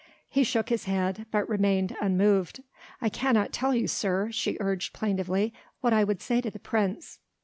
He shook his head, but remained unmoved. "I cannot tell you, sir," she urged plaintively, "what I would say to the Prince."